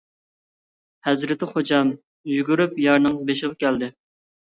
ھەزرىتى خوجام يۈگۈرۈپ يارنىڭ بېشىغا كەلدى.